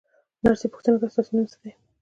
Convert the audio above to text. نرسې پوښتنه وکړه: ستاسې نوم څه دی؟